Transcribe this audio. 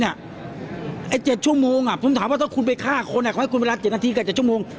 ไอ้๗ชั่วโมงผมถามว่าถ้าคุณไปฆ่าคนเขาให้คุณเวลา๗นาทีกับ๗ชั่วโมง